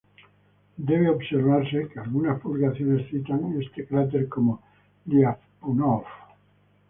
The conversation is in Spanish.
Debe observarse que algunas publicaciones citan este cráter como "Liapunov".